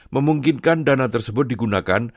memungkinkan dana tersebut digunakan